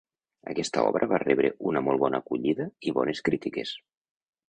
Aquesta obra va rebre una molt bona acollida i bones crítiques.